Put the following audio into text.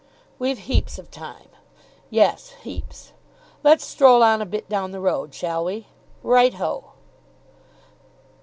"We've heaps of time." "Yes, heaps." "Let's stroll on a bit down the road, shall we?" "Right ho!"